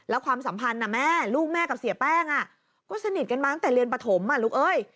แล้วความสัมพันธ์แม่ลูกแม่กับเสียแป้งก็สนิทกันมาตั้งแต่เรียนปฐมลูกเอ้ย